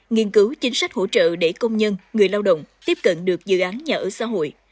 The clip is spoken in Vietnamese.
nghiên cứu chính sách hỗ trợ để công nhân người lao động tiếp cận được dự án nhà ở xã hội